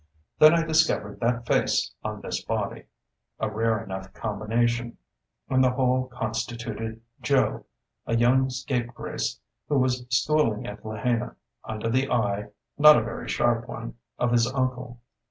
Then I discovered that face on this body, a rare enough combination, and the whole constituted Joe, a young scapegrace who was schooling at Lahaina, under the eye not a very sharp one of his uncle.